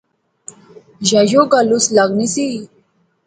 یا یو گل اس لغنی سی